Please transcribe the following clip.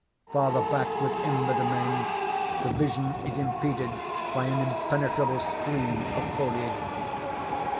Farther back within the domain, the vision is impeded by an impenetrable screen of foliage.